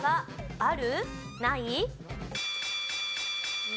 ある。